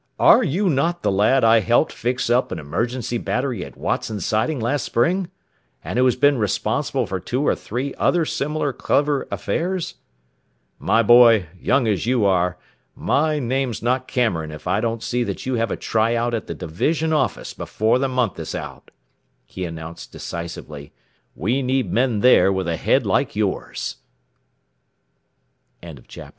"Are you not the lad I helped fix up an emergency battery at Watson Siding last spring? And who has been responsible for two or three other similar clever affairs? "My boy, young as you are, my name's not Cameron if I don't see that you have a try out at the division office before the month is out," he announced deci